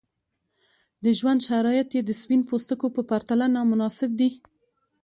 د ژوند شرایط یې د سپین پوستکو په پرتله نامناسب دي.